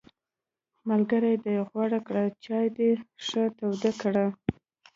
ملګری دې غوره کړه، چای دې ښه تود کړه!